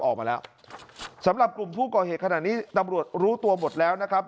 ออกมาแล้วสำหรับกลุ่มผู้ก่อเหตุขณะนี้ตำรวจรู้ตัวหมดแล้วนะครับ